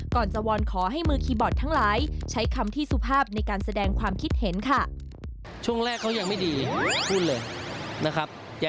ก่อนจะวอนขอให้มือคีย์บอร์ดทั้งหลายใช้คำที่สุภาพในการแสดงความคิดเห็นค่ะ